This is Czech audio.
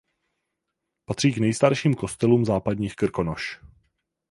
Patří k nejstarším kostelům západních Krkonoš.